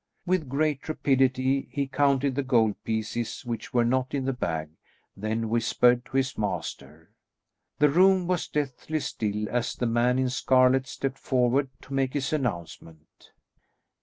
With great rapidity he counted the gold pieces which were not in the bag, then whispered to his master. The room was deathly still as the man in scarlet stepped forward to make his announcement.